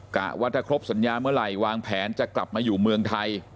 กะว่าถ้าครบสัญญาเมื่อไหร่วางแผนจะกลับมาอยู่เมืองไทย